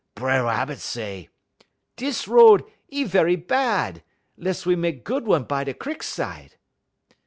B'er Rabbit say: "'Dis road, 'e werry bad; less we mek good one by da crickside.'